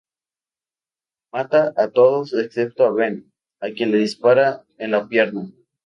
Mata a todos excepto a Ben, a quien le dispara en la pierna.